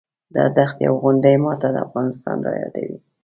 دا دښتې او غونډۍ ماته افغانستان رایادوي.